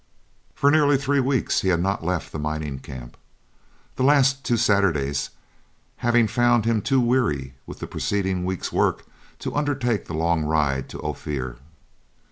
For nearly three weeks he had not left the mining camp, the last two Saturdays having found him too weary with the preceding week's work to undertake the long ride to Ophir.